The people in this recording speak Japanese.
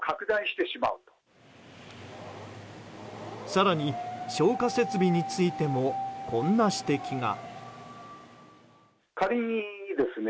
更に、消火設備についてもこんな指摘が。